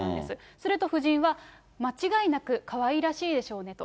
すると夫人は、間違いなくかわいらしいでしょうねと。